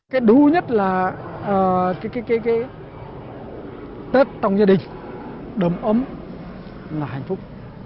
cái đu nhất là cái tết trong gia đình đồng ấm là hạnh phúc